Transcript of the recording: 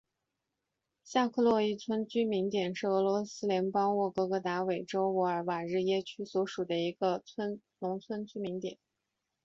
下库洛伊农村居民点是俄罗斯联邦沃洛格达州韦尔霍瓦日耶区所属的一个农村居民点。